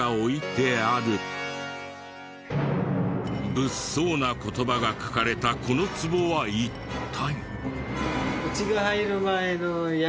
物騒な言葉が書かれたこのツボは一体？